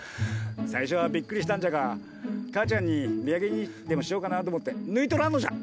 最初はびっくりしたんじゃが母ちゃんに土産にでもしようかなと思って抜いとらんのじゃ。